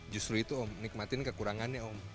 justru itu om nikmatin kekurangannya om